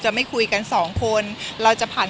ใช่ค่ะหลักฐานเราไม่มีอะไรมาก